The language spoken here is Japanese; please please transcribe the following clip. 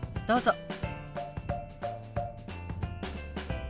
どうぞ。